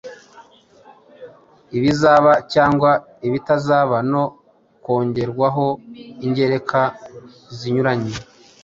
ibizaba cyangwa ibitazaba no kongerwaho ingereka zinyuranye.